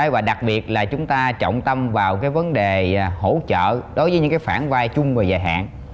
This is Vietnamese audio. và đặc biệt là chúng ta trọng tâm vào cái vấn đề hỗ trợ đối với những cái khoản vai chung và dài hạn